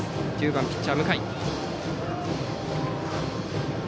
９番ピッチャーの向井。